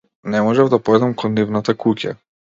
Не можев да појдам кон нивната куќа.